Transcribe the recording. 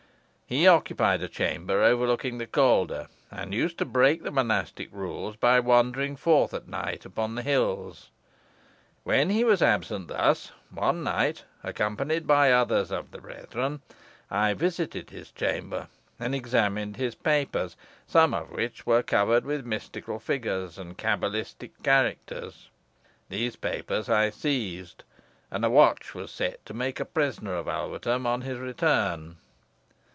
He occupied a chamber overlooking the Calder, and used to break the monastic rules by wandering forth at night upon the hills. When he was absent thus one night, accompanied by others of the brethren, I visited his chamber, and examined his papers, some of which were covered with mystical figures and cabalistic characters. These papers I seized, and a watch was set to make prisoner of Alvetham on his return.